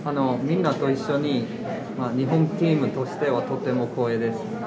みんなと一緒に日本チームとしてとても光栄です。